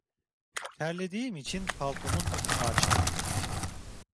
Terlediğim için paltomun önünü açtım.